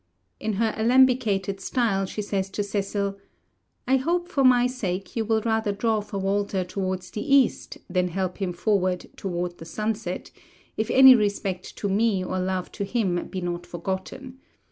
In her alembicated style she says to Cecil, 'I hope for my sake you will rather draw for Walter towards the east than help him forward toward the sunset, if any respect to me or love to him be not forgotten.